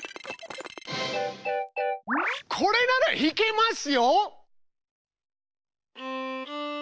これならひけますよ！